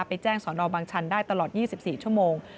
ไปแจ้งสอนอบางชันได้ตลอด๒๔ชั่วโมง